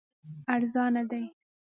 ارزانه دي.